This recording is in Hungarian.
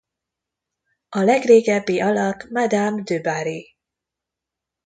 A legrégebbi alak Madame du Barry.